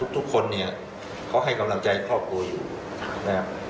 ทุกคนเนี่ยขอให้กำลังใจครอบครัวอยู่